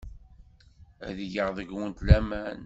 Ad geɣ deg-went laman.